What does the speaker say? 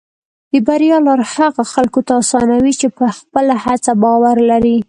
د بریا لار هغه خلکو ته اسانه وي چې په خپله هڅه باور لري.